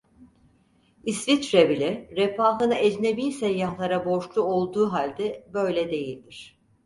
İsviçre bile, refahını ecnebi seyyahlara borçlu olduğu halde, böyle değildir.